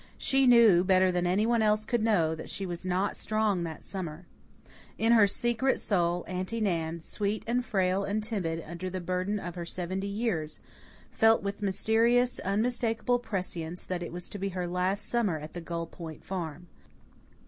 She knew, better than anyone else could know it, that she was not strong that summer. In her secret soul, Aunty Nan, sweet and frail and timid under the burden of her seventy years, felt with mysterious unmistakable prescience that it was to be her last summer at the Gull Point Farm.